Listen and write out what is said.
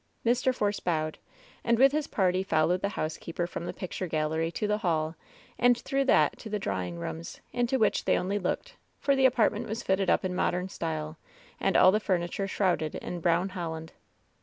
Mr. Force bowed, and with his party followed the housekeeper from the picture gallery to the hall and through that to the drawing rooms, into which they only looked, for the apartment was fitted up in modem style anl all the furniture shrouded in brown hoUand.